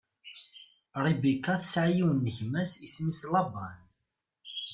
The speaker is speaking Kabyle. Ribika tesɛa yiwen n gma-s isem-is Laban.